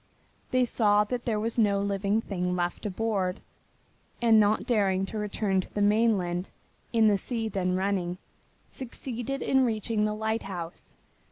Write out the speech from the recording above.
They saw there was no living thing left aboard, and not daring to return to the mainland in the sea then running succeeded in reaching the lighthouse.